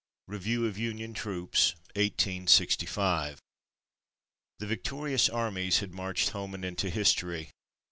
REVIEW OF UNION TROOPS 1865 The victorious armies had marched home and into history.